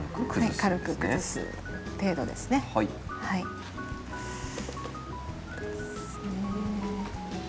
軽く崩す程度ですね。